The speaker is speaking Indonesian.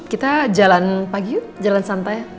kita jalan pagi yuk jalan santai